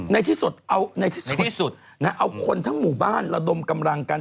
ในที่สุดเอาคนทั้งหมู่บ้านระดมกำลังกัน